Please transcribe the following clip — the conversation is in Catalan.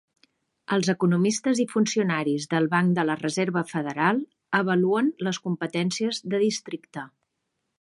Els economistes i funcionaris del Banc de la Reserva Federal avaluen les competències de districte.